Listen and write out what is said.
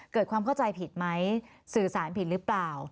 เกิดความเข้าใจผิดไหมสื่อสารผิดหรือเปล่า